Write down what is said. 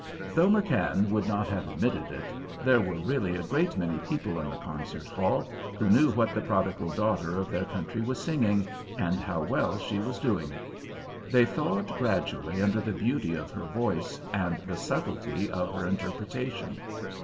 Though McKann would not have admitted it, there were really a great many people in the concert hall who knew what the prodigal daughter of their country was singing, and how well she was doing it. They thawed gradually under the beauty of her voice and the subtlety of her interpretation.